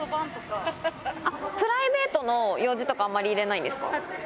プライベートの用事とか、あまり入れないんですか？